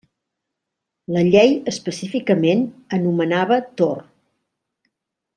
La llei específicament anomenava Tor.